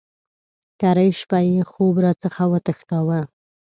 کرۍ شپه یې خوب را څخه وتښتاوه.